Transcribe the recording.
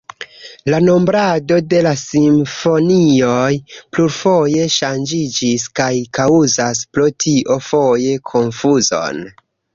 La nombrado de la simfonioj plurfoje ŝanĝiĝis kaj kaŭzas pro tio foje konfuzon.